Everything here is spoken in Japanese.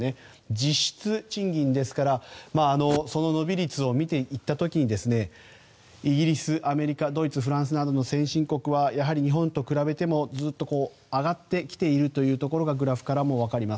実質賃金の伸び率を見ていった時イギリス、アメリカドイツ、フランスなどの先進国はやはり日本と比べてもずっと上がってきているというところがグラフからも分かります。